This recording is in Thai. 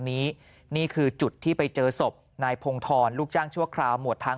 นี้นี่คือจุดที่ไปเจอศพนายพงธรลูกจ้างชั่วคราวหมวดทาง